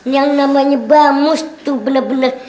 yang namanya bang mus tuh bener bener